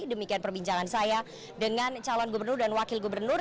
demikian perbincangan saya dengan calon gubernur dan wakil gubernur